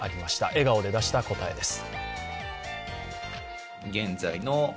笑顔で出した答えです。